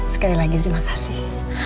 sekali lagi terima kasih